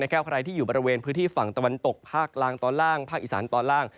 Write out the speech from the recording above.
ในแค่ว่าใครที่อยู่ประเทศฝั่งตะวันตกภากลางตอนล่างภากอิสรารตอนล่าง